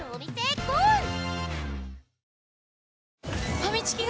ファミチキが！？